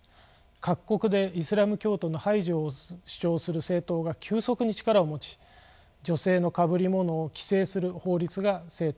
各国でイスラム教徒の排除を主張する政党が急速に力を持ち女性のかぶり物を規制する法律が制定されました。